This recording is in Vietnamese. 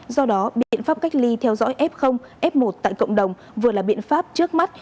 do đó biện pháp cách ly theo dõi f f một tại cộng đồng vừa là biện pháp trước mắt